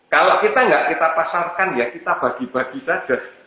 kalau kita nggak kita pasarkan ya kita bagi bagi saja